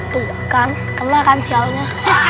tuh heikal kembali akan sialnya